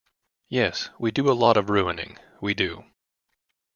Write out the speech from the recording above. Yes, we do a lot of ruining, we do.